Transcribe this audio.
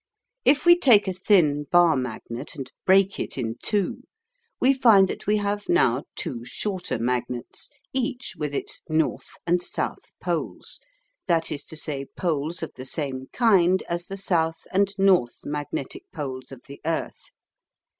If we take a thin bar magnet and break it in two, we find that we have now two shorter magnets, each with its "north" and "south" poles, that is to say, poles of the same kind as the south and north magnetic poles of the earth.